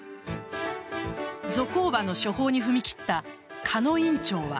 ゾコーバの処方に踏み切った鹿野院長は。